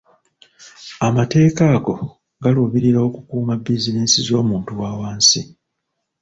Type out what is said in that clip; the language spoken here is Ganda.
Amateeka ago galuubirira okukuuma bizinensi z'omuntu wa wansi.